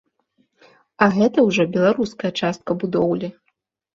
А гэта ўжо беларуская частка будоўлі.